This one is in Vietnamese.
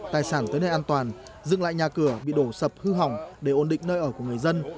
tài sản tới nơi an toàn dựng lại nhà cửa bị đổ sập hư hỏng để ổn định nơi ở của người dân